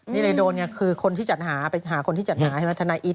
นี่เลยโดนคือคนที่จัดหาไปหาคนที่จัดหาทนายอีก